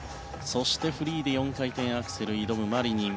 そして、フリーで４回転アクセルに挑むマリニン。